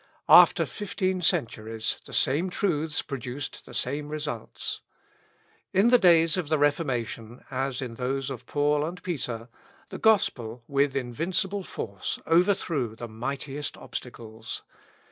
After fifteen centuries the same truths produced the same results. In the days of the Reformation, as in those of Paul and Peter, the Gospel, with invincible force, overthrew the mightiest obstacles.